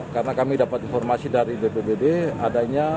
karena kami dapat informasi dari dpbd